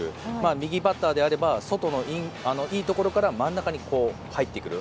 右バッターであれば外のいいところから真ん中に入ってくる。